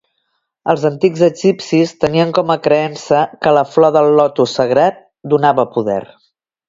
Els antics egipcis tenien com a creença que la flor del lotus sagrat donava poder.